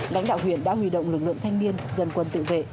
lãnh đạo huyện đã huy động lực lượng thanh niên dân quân tự vệ